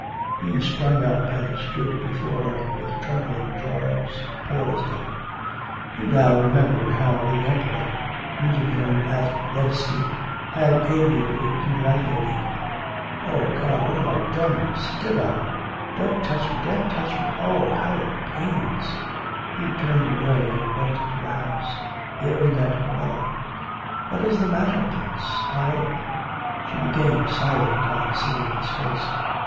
He sprang up and stood before her with trembling jaws, pale as death. He now remembered how the Emperor, meeting him on the Nevsky, had amiably congratulated him. 'O God, what have I done! Stiva!' 'Don't touch me! Don't touch me! Oh, how it pains!' He turned away and went to the house. There he met her mother. 'What is the matter, Prince? I...' She became silent on seeing his face.